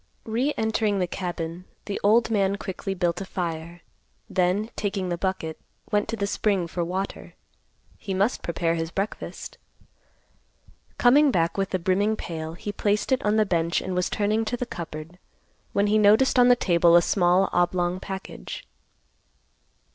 Re entering the cabin, the old man quickly built a fire, then, taking the bucket, went to the spring for water. He must prepare his breakfast. Coming back with the brimming pail, he placed it on the bench and was turning to the cupboard, when he noticed on the table a small oblong package.